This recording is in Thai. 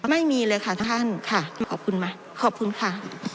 ไม่มีเลยค่ะทุกท่านค่ะขอบคุณไหมขอบคุณค่ะ